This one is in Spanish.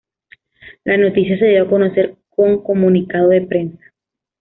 La noticia se dio a conocer con comunicado de prensa.